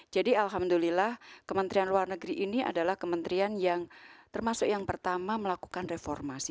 jadi alhamdulillah kementerian luar negeri ini adalah kementerian yang termasuk yang pertama melakukan reformasi